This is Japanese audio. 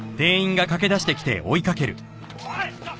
おいちょっと！